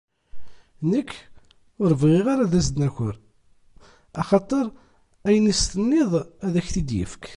Nekk ur bɣiɣ ara ad as-d-naker axateṛ ayen i as-tenniḍ ad ak-t-id-yefk.